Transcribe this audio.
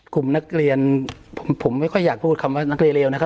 กลุ่มนักเรียนผมไม่ค่อยอยากพูดคำว่านักเรียนเลวนะครับ